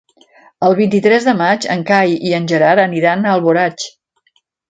El vint-i-tres de maig en Cai i en Gerard aniran a Alboraig.